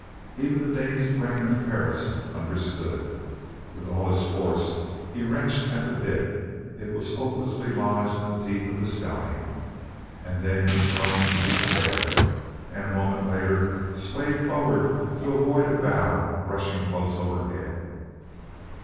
Even the dazed brain of Perris understood. With all his force he wrenched at the bit it was hopelessly lodged in the teeth of the stallion and then he groaned in despair and a moment later swayed forward to avoid a bough brushing close overhead.